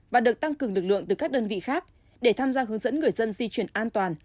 và được tăng cường lực lượng từ các đơn vị khác để tham gia hướng dẫn người dân di chuyển an toàn